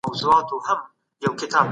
ځوانان بايد د حالاتو متن ته ورشي.